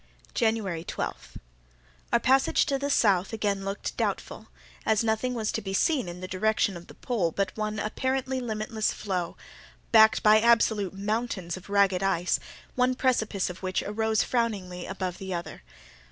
January 12.—Our passage to the south again looked doubtful, as nothing was to be seen in the direction of the pole but one apparently limitless floe, backed by absolute mountains of ragged ice, one precipice of which arose frowningly above the other.